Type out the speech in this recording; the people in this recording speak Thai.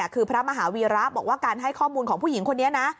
คือพระมหาวีระบอกว่าการให้ข้อมูลของผู้หญิงคนนี้นะ